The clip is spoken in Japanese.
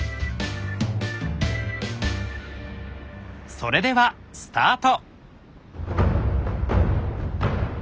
それではスタート！